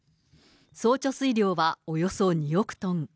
総貯水量はおよそ２億トン。